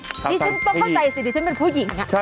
นี่ฉันต้องเข้าใจสิดิฉันเป็นผู้หญิง